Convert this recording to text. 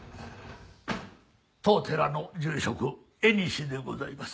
当寺の住職江西でございます。